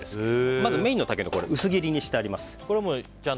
まずメインのタケノコを薄切りにしてあります。